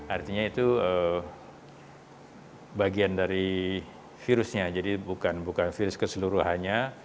artinya itu bagian dari virusnya jadi bukan virus keseluruhannya